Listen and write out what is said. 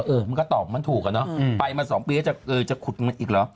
เออมึงก็ตอบมันถูกนะไปมา๒ปีแล้วจะขุดกันอีกหรอ